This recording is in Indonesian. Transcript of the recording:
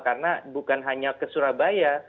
karena bukan hanya ke surabaya